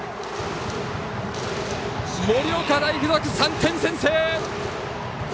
盛岡大付属、３点先制！